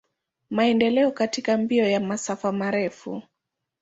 Maendeleo katika mbio ya masafa marefu.